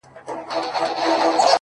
دادی ټکنده غرمه ورباندي راغله;